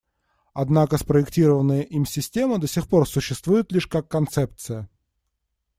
Однако спроектированная им система до сих пор существует лишь как концепция.